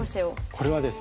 これはですね